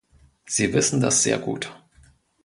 Sie wissen das sehr gut.